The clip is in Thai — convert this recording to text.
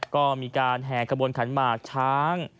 ก็มีการแห่ขบวนขันหมากช้าง